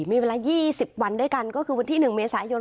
มีเวลา๒๐วันด้วยกันก็คือวันที่๑เมษายน